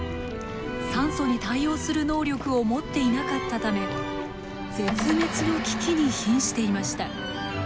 酸素に対応する能力を持っていなかったため絶滅の危機にひんしていました。